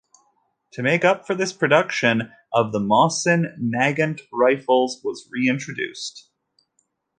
To make up for this, production of the Mosin-Nagant rifles was reintroduced.